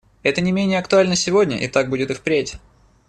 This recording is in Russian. Это не менее актуально сегодня, и так будет и впредь.